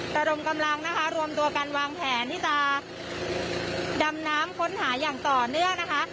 ระดมกำลังนะคะรวมตัวกันวางแผนที่จะดำน้ำค้นหาอย่างต่อเนื่องนะคะ